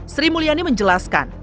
sri mulyani menjelaskan